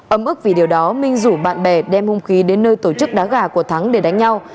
ấm ức vì điều đó minh rủ bạn bè đem hung khí đến nơi tổ chức đá gà của thắng để đánh nhau